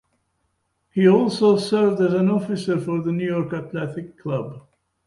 He also served as an officer for the New York Athletic Club.